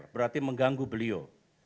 berarti mengganggu beliau